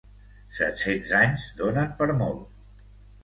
Set-cents anys donen per molt.